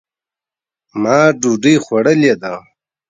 ما ډوډۍ خوړلې ده.